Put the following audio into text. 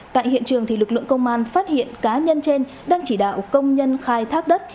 tại hiện trường lực lượng công an phát hiện cá nhân trên đang chỉ đạo công nhân khai thác đất